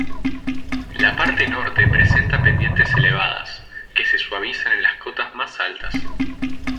La parte norte presenta pendientes elevadas, que se suavizan en las cotas más altas.